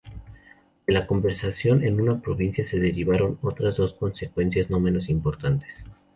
De la conversión en una provincia se derivaron otras dos consecuencias no menos importantes.